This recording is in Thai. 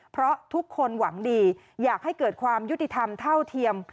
เพราะทุกคนหวังดีอยากให้เกิดความยุติธรรมเท่าเทียม